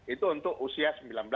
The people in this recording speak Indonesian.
itu untuk usia sembilan belas dua puluh